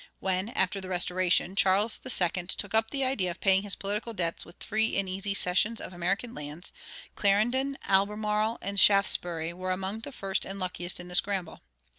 When, after the Restoration, Charles II. took up the idea of paying his political debts with free and easy cessions of American lands, Clarendon, Albemarle, and Shaftesbury were among the first and luckiest in the scramble.